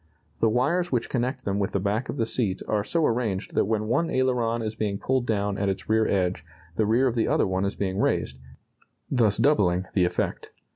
The wires which connect them with the back of the seat are so arranged that when one aileron is being pulled down at its rear edge the rear of the other one is being raised, thus doubling the effect.